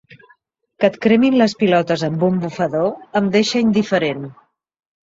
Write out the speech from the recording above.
Que et cremin les pilotes amb un bufador em deixa indiferent.